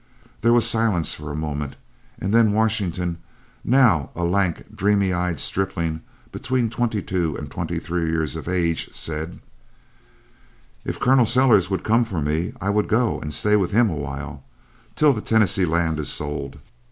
There was silence for a moment, and then Washington now a lank, dreamy eyed stripling between twenty two and twenty three years of age said: "If Col. Sellers would come for me, I would go and stay with him a while, till the Tennessee land is sold.